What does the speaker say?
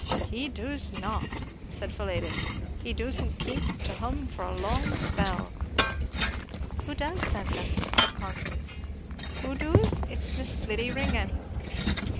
"He doos not," said Philetus; "he doosn't keep to hum for a long spell." "Who does send them then?" said Constance. "Who doos? It's Miss Fliddy Ringgan."